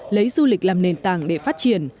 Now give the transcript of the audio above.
lấy du lịch làm nền tảng để phát triển